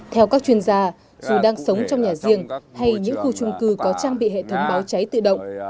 theo các chuyên gia dù đang sống trong nhà riêng hay những khu trung cư có trang bị hệ thống báo cháy tự động